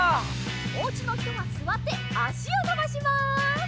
おうちのひとはすわってあしをのばします。